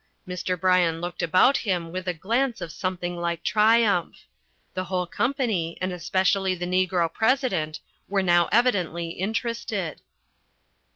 Mr. Bryan looked about him with a glance of something like triumph. The whole company, and especially the Negro President, were now evidently interested.